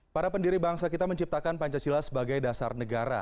para pendiri bangsa kita menciptakan pancasila sebagai dasar negara